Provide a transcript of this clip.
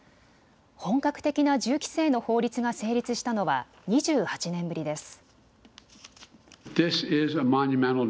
本格的な銃規制の法律が成立したのは２８年ぶりです。